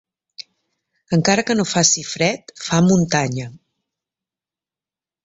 Encara que no faci fred, fa muntanya.